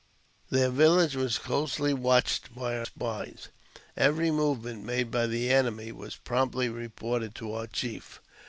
Their village was closely watched by our spies ; every move ment made by the enemy was promptly reported to our chief.